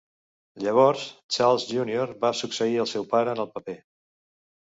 Llavors, Charles júnior va succeir el seu pare en el paper.